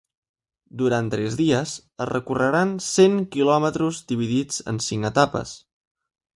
Durant tres dies, es recorreran cent quilòmetres, dividits en cinc etapes.